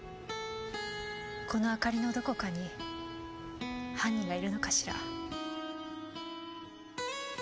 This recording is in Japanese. この明かりのどこかに犯人がいるのかしら？